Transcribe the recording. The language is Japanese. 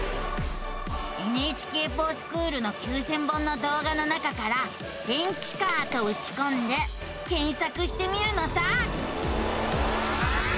「ＮＨＫｆｏｒＳｃｈｏｏｌ」の９，０００本の動画の中から「電池カー」とうちこんで検索してみるのさ。